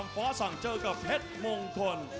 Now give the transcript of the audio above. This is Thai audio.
ฟ้าสั่งเจอกับเพชรมงคล